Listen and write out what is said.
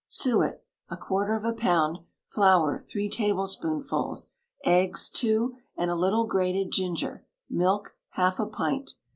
Suet, a quarter of a pound; flour, three tablespoonfuls; eggs two, and a little grated ginger; milk, half a pint.